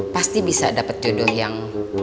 pasti bisa dapat jodoh yang